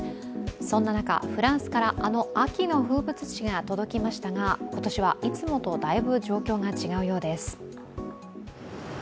そんな中、フランスから、あの秋の風物詩が届きましたが今年は、いつもとだいぶ状況が違うようです。